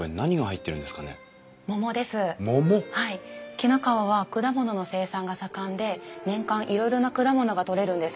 紀の川は果物の生産が盛んで年間いろいろな果物が取れるんです。